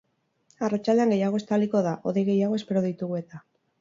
Arratsaldean gehiago estaliko da, hodei gehiago espero ditugu eta.